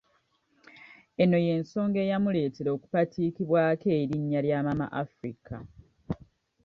Eno y'ensonga eyamuleetera okupaatiikibwako erinnya lya "Mama Afirika"